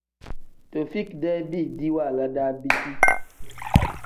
Taufik-dee biidi waala daa biti.